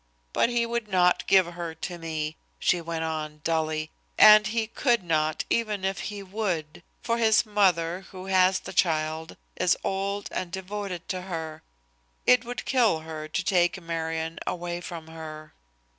"But he would not give her to me," she went on dully, "and he could not even if he would. For his mother, who has the child, is old and devoted to her. It would kill her to take Marion away from her."